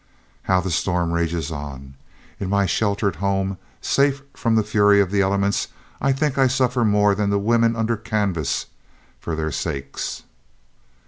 "How the storm rages on! In my sheltered home, safe from the fury of the elements, I think I suffer more than the women under canvas, for their sakes....